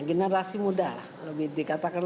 generasi muda lah lebih dikatakan